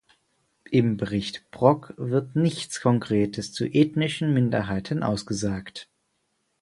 Im Bericht Brok wird nichts Konkretes zu ethnischen Minderheiten ausgesagt.